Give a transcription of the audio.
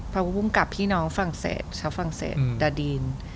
ภูมิกับพี่น้องฝรั่งเศสชาวฝรั่งเศสดาดีน